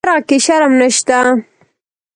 په شرعه کې شرم نشته.